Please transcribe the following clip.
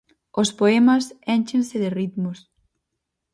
Os poemas énchense de ritmos.